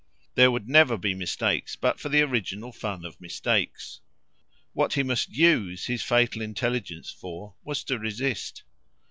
There would never be mistakes but for the original fun of mistakes. What he must USE his fatal intelligence for was to resist.